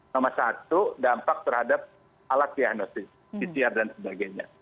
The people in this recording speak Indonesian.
nomor satu dampak terhadap alat diagnosis pcr dan sebagainya